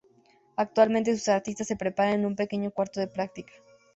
Actualmente sus artistas se preparan en un pequeño cuarto de práctica.